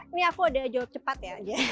ini aku udah jawab cepat ya